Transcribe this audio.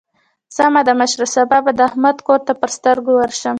سمه ده مشره؛ سبا به د احمد کور ته پر سترګو ورشم.